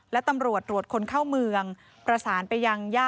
และตำรวจตรวจคนเข้าเมืองประสานไปยังย่า